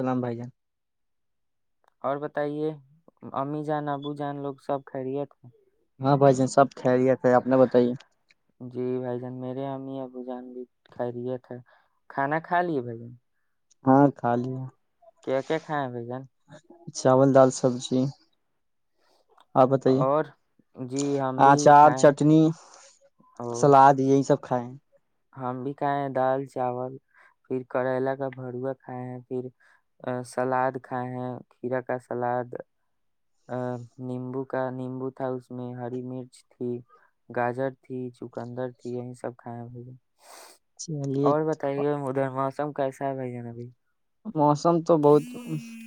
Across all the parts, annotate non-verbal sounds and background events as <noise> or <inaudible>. سلام بھائی جان اور بتائیے امی جان ابو جان لوگ سب خیریت ہیں ہاں بھائی جانب کھ جی بھائی جان میرے ہم ہی اب ب جان بھی کھا رہیا تھا کھانا کھا لیے بھائی جن ہاں خالی ہے کیا کیا کھ ہیں بھ جان چاول دال سبزی آپ بتائیے اور جی ہم بھی آچار کھائے ہیں، چٹنی او سلاد یہی سب کائےیں ہم بھی کھائے ہیں دال چاول پھر کریلا کا بروا کھائے ہیں پھر سلاد کھائے ہیں کھیرا کا سلاد ا نیمبو کا نیمبو تھا اس میں ہری مرچ تھی گاجر تھی چکندر تھی یہی سب کھائے ب چلیے اور بتائیے مدھر موسم کیسا ہے بھائی جانا بائی موسم تو بہت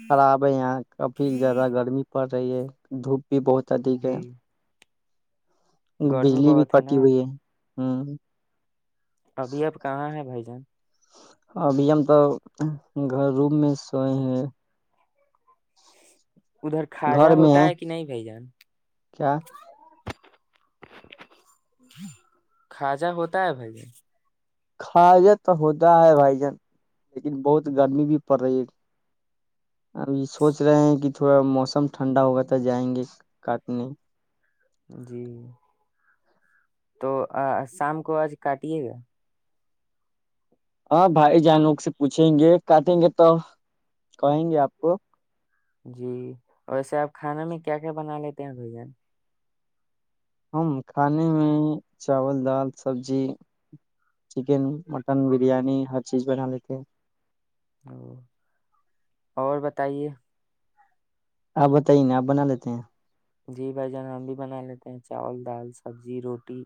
خراب ہے یہاں کافی زیادہ گرمی پڑ رہی ہے دھوپ بھی بہت ادھک ہے جی گرمی بجلی بھی بہت کٹی نا ہوئی ہے ہاں ابھی اب کہاں ہیں بھائی جان ابھی ہم تو گ روم میں سوئے ہیں ادھر کھاجا گھر میں ہوتا ہے کہ نہیں بھائی جان کیا کاجا ہوتا ہے بھائی کاجہ تو ہوتا ہے بھائی جان لیکن بہت گرمی بھی پڑ رہی ہے اب یہ سوچ رہے ہیں کہ تھوڑا موسم ٹھنڈا ہوگا تو جائیں گے کاٹنے جی تو شام کو آج کاٹیے گا ہاں بھائی جانوگ سے پوچھیں گے کاٹیں گے تو کہیں گے آپ کو جی ویسے آپ کھانا میں کیا کیا بنا لیتے ہیں بھین ہم کھانے میں چاول دال سبزی چکن مٹن بریانی ہر چیز بنا لیتے ہیں او اور بتائیے آپ بتائیے نا آپ بنا لیتے ہیں جی بھ جان ہم بھی بنا لیتے ہیں چاول دال سبزی روٹی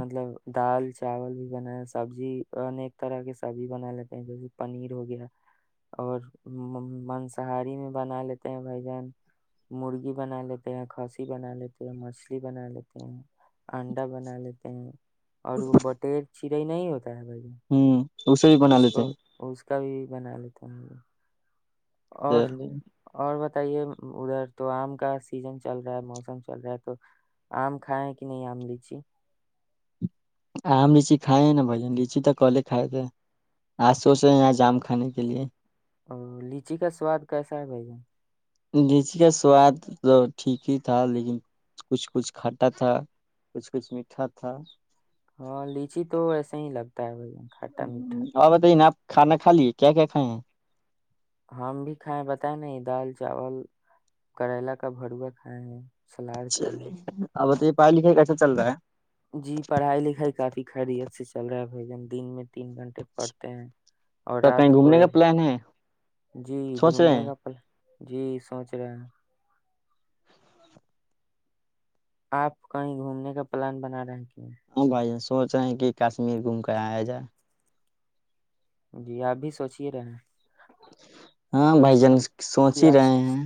مطلب دال چاول بھی بناائے سبزی انیک طرح کے سبزی بنا لیتے ہیں جیسے پنیر ہو گیا اور مانساری میں بنا لیتے ہیں بھائی جان مرغی بنا لیتے ہیں کھسی بنا لیتے ہیں مچھلی بنا لیتے ہیں انڈا بنا لیتے ہیں اور بٹیر چ ساائی نہیں ہوتا <unintelligible> ہوں اسے بھی بنا اس کا لیتے ہیں اس کبھی بنا لیتا ہوں اور چلیے، اور ب بتائیے ادھر تو آم کا سیزن چل رہا ہے موسم چل رہا ہے تو آم کھائے کہ نہیں آم لیچی آم لیچی کھائے ہیں نا بھائی لیچی تو کلے کھائے تھے آج سوچ رہے ہیں آج آم کھانے کے لیے اور لچی کا سواد کیسا ہے بھیا لیچی کا سواد تو ٹھیک ہی تھا لیکن کچھ کچھ کھٹا تھا کچھ کچھ میٹھا تھا ہاں لیچی تو ایسے ہی لگتا ہے بھائی کھٹا میٹھا آپ بتائیے نا آپ کھانا کھا لیے کیا کیا کھائے ہیں ہم بھی کھائےیں بتائے نہیں دال چاول کریلا کا بروا کھائے ہیں سلاد کھائے چلیے ہیں آب تو پڑائی لکھائی کیسا چل رہ ہے جی پڑھائی لکھائی کافی خیریت سے چل رہا ہے بھ جن دن میں تین گھنٹے پڑتے ہیں اور تو رات کہیں کو گھومنے کا ایک پلان ہے جی سوچ رہے گھومنے ہیں کا پل جی سوچ رہے ہیں آپ کہیں گھومنے کا پلان بنا رہے ہیں کہ ہاں بھائی جان سوچ رہے ہیں کہ کشمیر گھوم کر آیا جائے جی آپ بھی سوچی ہی رہے ہیں ہاں بھائی جان سوچ ہی رہے ہیں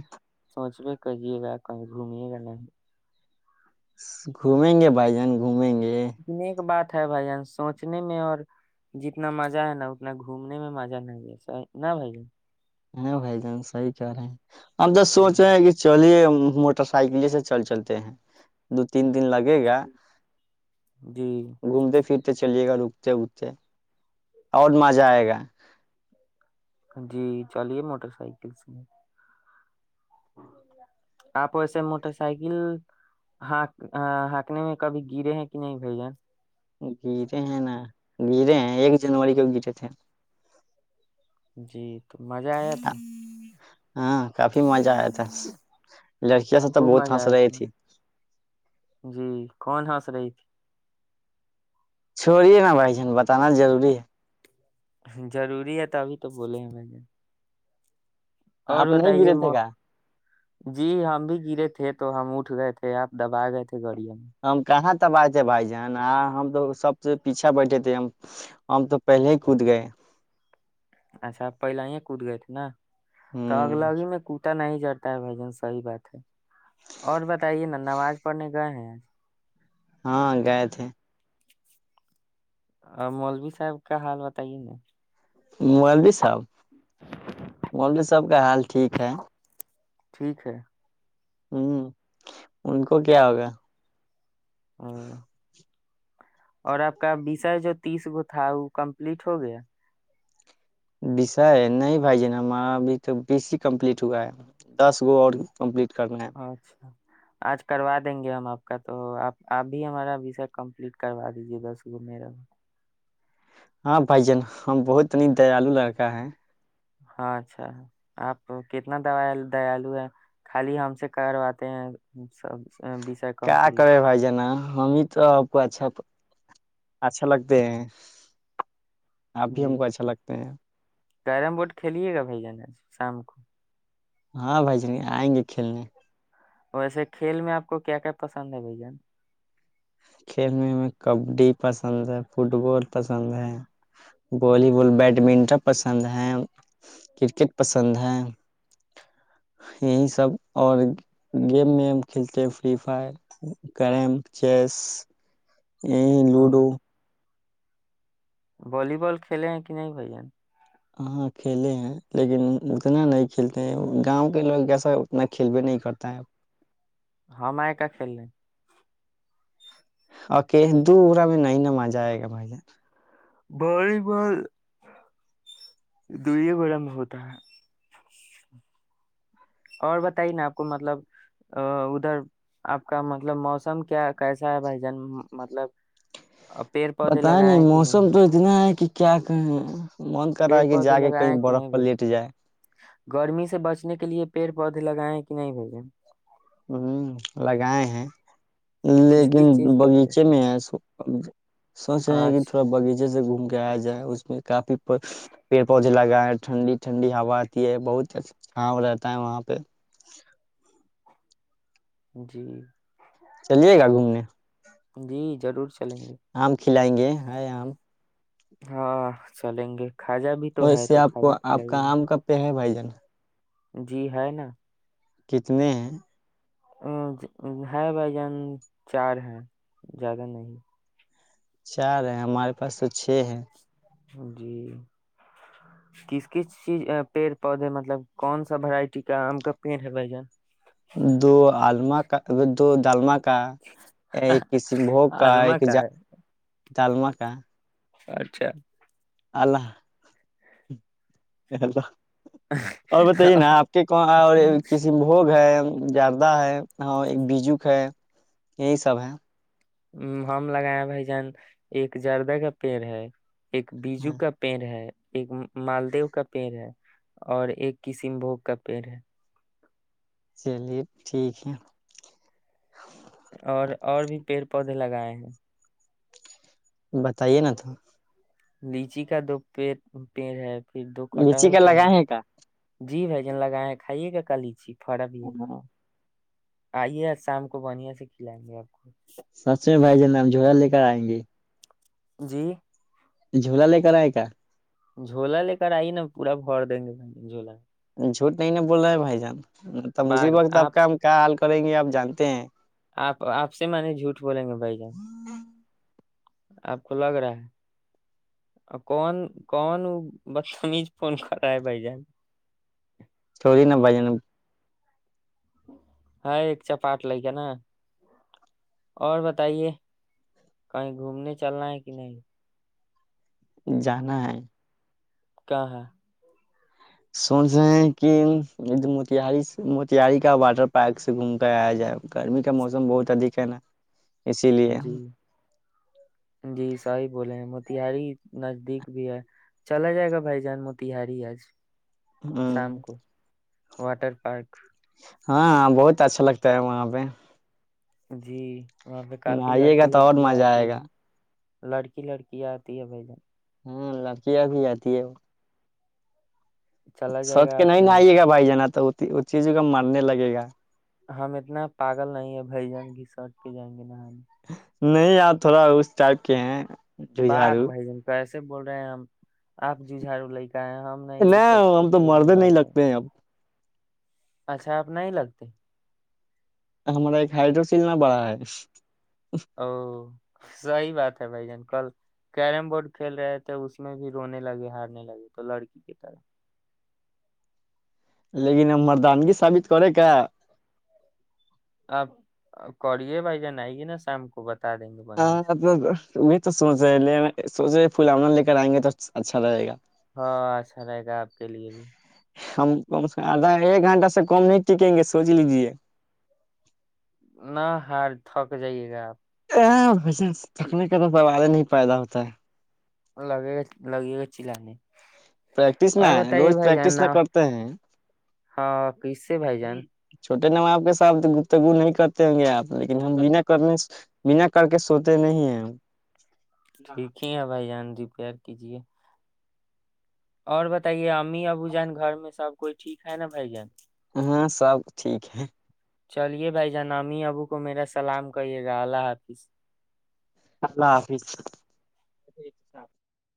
کہجے گ کہیں گھمی گ گھومیں گے بھائی جان گھومیں گے اتنے ایک بات بھائی جان سوچنے میں اور جتنا مزہ ہے نا اتنا گھومنے میں مزہ نہیں آ نہ بھائی جان ہاں بھائی جان صحیح کہہ رہے ہیں ہمب تو ہوں، سوچ رہے ہیں کہ چلیے موٹر سائیکل سے چل چلتے ہیں دو تین دن لگے گا جی گھومتے پھرتے تے چلیے گا رکتے اکتے اور مزہ آئے گا جی چلیے موٹر سائیکل سے آپ ویسے موٹر سائیکل ہک ہانکنے میں کبھی گرے ہیں کہ نہیں بھ ج گرے ہیں نا گرے ہیں ایک جنوری کو گرے تھے جی تو مزہ آیا تھا ہاں کافی مزہ آیا تھا لڑکیاں سب تو خوب بہت مزہ ہنس آیا رہی تھا نا؟ تھی تر چھوڑیے نا بھائی جن بتانا ضروری ہے ضروری ہے تو ابھی تو بولے ہیں میں نے اور آپ نہیں بتائیے گرے تھے م کیا جی ہم بھی گرے تھے تو ہم اٹھ گئے تھے آپ دبا گئے تھے گاڑییا میں بات ہے بھائی جان آ ہم تو سب سے پیچھا بیٹھے تھے ہم تو پہلے ہی کود گئے اچھا پہلا یہ کود گئے تھے نا تو اگ ہ لگ ہی میں کوٹا نہیں جرتا ہے بھ جن سحی بات ہے اور بتائیے نا نماز پڑھنے گئے ہیں آج ہاں گئے تھے اور مولوی صاحب کا حال بتائیے نا مائل دیس اچھ بولے سب کا حال ٹھیک ہے ٹھیک ہے ہوں ان کو کیا ہوگا ہ اور آپ کا بیسر جو تیس گ تھا وہ کمپلیٹ ہو گیا وسا ہے نہیں بھائی ج ن ہم ابھی تو بی س کمپلیٹ ہوا ہے دس گو اور کمپلیٹ کر ل ہیں اچھا آج کروا دیں گے ہم آپ کا تو آپ آپ بھی ہماراسک کمپلیٹ کروا دیجیے دس گ میرا ہاں بھائی جان ہم بہت نی دیالو لڑکا ہے ہاں اچھا آپ کتنا دیالو ہے خالی ہم سے کرواتے ہیں سب وشا کیا کمپلیٹ کرے بھائی جانا ہمیں تو اچھا اچھا لگتے آپ بھی ہم جی کو اچھا لگتے ہیں کیرم بورڈ کھیلیے گا بھائی جان شام کو ہاں بھائی جن آئیں گے کھیلنے ویسے کھیل میں آپ کو کیا کیا پسند ہے بھائی جان کھیلنے ہمیں کبڈی پسند ہے فٹ بال پسند ہے والی بال بیڈمنٹن پسند ہے کرکٹ پسند ہے یہی سب اور گیم میں ہم کھیلتے ہیں فری فائر کیریم چیس یہ لوڈو ولیی بول کھیلیں ہیں کہ نہیں بھ جین ہاں کھیلے ہیں لیکن اتنا نہیں کھیلتے ہیں گاؤں کے لوگ جسا اتنا کھیل بھیے نہیں کرتا ہے ہاں میں کیا کھیل ل ہیں اوک د اورہ میں نہیں ن مزہ آئے گا بھائی جان بڑ ب دوئیے بڑا میں ہوتا ہے اور ب <unintelligible> ہی نا آپ کو مطلب <unintelligible> ا ادھر آپ کا مطلب موسم کیا کیسا ہے بھائی جن مطلب <unintelligible> پیڑ پودے بتیں لگائے نہیں ہیں کہ موسم تو اتنا ہے کہ کیا کہ <unintelligible> من کر رہا پیڑ ہے کہ پودے جا کے لگائے کہیں ہیں کہ برف نہیں پر بھائی لٹ جائے <unintelligible> گرمی سے بچنے کے لیے پیڑ پودے لگائے کہ نہیں بھیجیں <unintelligible> ہوں لگائے ہیں <unintelligible> کس لیکن کس چیز کا پیڑ؟ باغیچے میں ہے سوچ رہے ہیں کہ تھوڑا اچھا باغیچے سے گھوم گایا جائے اس میں کافی <unintelligible> پیڑ پوودے لگا <unintelligible> ٹھنڈی ٹھنڈی ہوا آتی ہے بہتھ رہتا ہے وہاں پہ <unintelligible> جی <unintelligible> چلیے گا گھومنے <unintelligible> جی ضرور <unintelligible> چلیں گے <unintelligible> آم کھلائیں گے ہے آ ہم <unintelligible> ہاں چلیں گے <unintelligible> اور تو اس ہے سے تو آپ کو کھاجا آپ کا کھلائیے آم ک پہ ہے بھائی جان <unintelligible> ہ <inaudible> جی ہے نا <unintelligible> کتنے ہیں <unintelligible> ا ہے بھائی جان چار ہے زیادہ نہیں <unintelligible> چار ہے ہمارے پاس تو چھ ہے جی کس کس چیز پیڑ پودے مطلب کون سا ورائٹی کا آم کا پیڑ ہے دو آما کا دو ڈالمہ کا ایک کسیم بھوگ کا آزما ایک ج ہے تال مک اچھا اللہ توا اور بتائیے نا آپ کے کواں اور کسیم بھوگ ہے جردہ ہے ہاں ایک بیجوک ہے یہی سب ہے ہم لگایا بھائی جان ایک جردہ کا پیڑ ہے ایک بیجو ہاں کا پینڑ ہے ایک مالدیو کا پیڑ ہے اور ایک کسین بھوگ کا پیڑ ہے چلیے ٹھیک ہے اور اور بھی پیڑ پودے لگائے ہیں بتائیے نا تو لیچی کا دو پڑ پیڑ ہے پھر دو لچی کٹہل کا لگا ہے کا جی بھ جن لگائےیں ہیں کھائیے کے کالی چی پڑا بھی ہے ہاں آئیے آج شام کو بنھیا سے کھلائیں گے آپ کو سچ بھائی جن ہم جلا لے کر آئیں گے جی جھولا لے کرا ہے کا جھولا لے کر آئی نا پورا بور دیں گے بھ جھولا جھوٹ نہیں ن بول رہ ہے بائی جان تم اسی وقت آپ کا ہمل کریں گے آپ جانتے ہیں آپ آپ سے میں نے جھوٹ بولیں گے بھائی جان آپ کو لگ رہا ہے اور کون کون بدتمیز فون کر رہا ہے بھائی جان چوڑی نب جان ہاں ایک چپاٹ لے گ نا اور بتائیے کہیں گھومنے چلنا ہے کہ نہیں جانائ کیا ہے سن رہ ہیں کہھر موتاری سے موتاری کا واٹر پارک سے گھوم کر آیا جائے گرمی کا موسم بہت ادھ ہے نا اسی لیے جی جی شاہ بولے ہیں م تہاری نزدیک بھی ہے چلا جائے گا بھائی جان م تہاری آج ہوں، شام کو واٹر پارک ہاںاں بہت اچھا لگتا ہے وہاں پہ جی وہاں پہ کافی نہائیے گا لڑکے تو اور لڑکیاں مزہ آتی آئے ہیں گا لڑکی لڑکی آتی ہے بھائی جن ہوں لڑکییاں بھی آاتتی ہے وہ چلا جائے سوچ گا کے نہیں ن آئیے اسنان گا بھائی جانا تو وہ چیزوں کا مرنے لگے گا ہم اتنا پاگل نہیں ہے بھ جان کی سرٹ کے جائیں گے نہ ہ <inaudible> نہیں یار تھوڑا اس ٹائپ کے ہیں بااک ججھارو بھائی جن کا ایسے سے بول رہے ہیں ہم آپ ج جھارو ل کہیں ہم نہیں وہ سب کے ہم تو پھیر میں مردے نہیں رہتے ہیں لگتے اب اچھا آپ نہیں لگتے ہمارا ایک ہائڈروسلنا بڑا ہے او صی بات ہے بھائی جان کل کیرم بورڈ کھیل رہے تھے اس میں بھی رونے لگے ہارنے لگے تو لڑکی کی طرح لیکن ا مردانگی سثابت کرے کا آپ کریے بھائی جان آئی گے نا شام کو بتا دیں گے بڑھیا ہاں میں تو سوج لے سوچے پلاؤون لے کر آئیں گے تو اچھا رہے گا ہاں اچھا رہے گا آپ کے لیے بھی ہم کم سے کم آدھا ایک گھنٹہ سے کم نہیں ٹکیں گے سوچ لیجیے نہ ہار تھک جائیے گا آپ وے تھکنے کا تو سوار نہیں پیدا ہوتا ہے لگے گ لگے گئی چ ل نے پریکٹس نہ ہے روز پریکٹس نہ کرتے ہیں ہاں کیسے بھائی جان چھوٹے نواب کے ساتھ گفتگو نہیں کرتے ہوں گے آپ لیکن ہم بنا کرنے بنا کر کے سوتے نہیں ہیں ٹھیک ہی ہے بھائی جان دییپ پیر کیجیے اور بتائیے ہم ممی ابو جان گھر میں سب کوئی ٹھیک ہے نا بھائی جان ہاں سب ٹھیک ہے چلیے بھائی جناامی ابو کو میرا سلام کریے گا اللہ حافظ اللہ حافظ